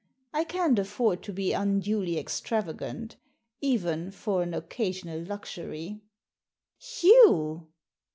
I can't afford to be unduly extravagant— even for an occasional luxury." "Hugh!"